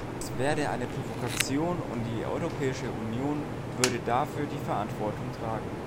Das wäre eine Provokation, und die Europäische Union würde dafür die Verantwortung tragen.